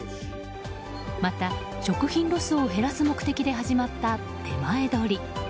また食品ロスを減らす目的で始まった、てまえどり。